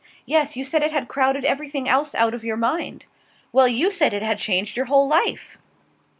"Yes. You said it had crowded everything else out of your mind." "Well you said it had changed your whole life!"